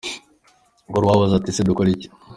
Hari uwabaza ati ese dukore iki?